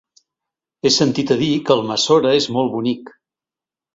He sentit a dir que Almassora és molt bonic.